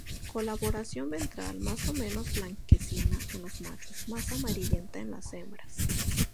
Coloración ventral más o menos blanquecina en los machos, más amarillenta en las hembras.